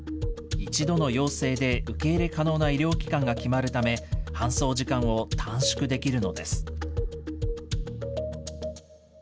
一度の要請で受け入れ可能な医療機関が決まるため、搬送時間を短縮できるのです。